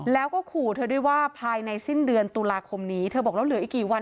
เพราะว่าภายในสิ้นเดือนตุลาคมนี้เธอบอกแล้วเหลืออีกกี่วัน